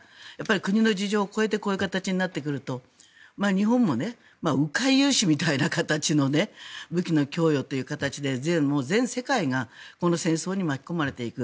国の事情を越えてこういう形になってくると日本も迂回融資みたいな形の武器の供与という形で、全世界がこの戦争に巻き込まれていく。